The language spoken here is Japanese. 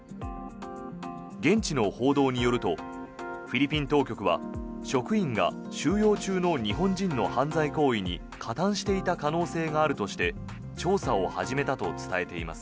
現地の報道によるとフィリピン当局は職員が収容中の日本人の犯罪行為に加担していた可能性があるとして調査を始めたと伝えています。